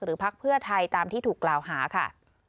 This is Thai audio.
พักเพื่อไทยตามที่ถูกกล่าวหาค่ะ